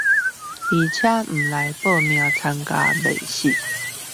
而且不來報名參加面試